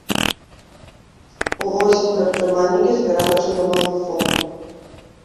Увосень прадпрымальнікі збіраюцца на новы форум.